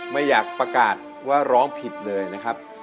ไม่อยากประกาศว่าร้องผิดเลยนะครับ